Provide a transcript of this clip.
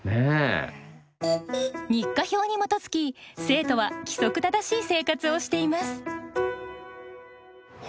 日課表に基づき生徒は規則正しい生活をしています。